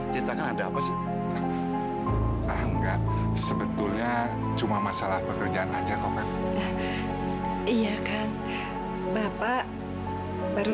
cerita kan ada apa sih enggak sebetulnya cuma masalah pekerjaan aja kok iya kan bapak baru